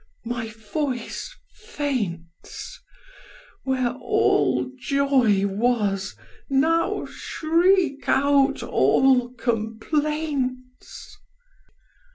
My voice faints: Where all joy was, now shriek out all complaints!"